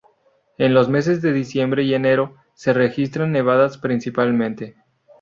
En los meses de diciembre y enero se registran nevadas, principalmente.